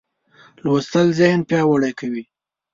لوستل ذهن پیاوړی کوي.